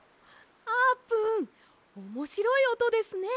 あーぷんおもしろいおとですね。